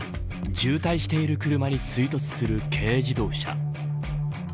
渋滞している車に追突する軽自動車。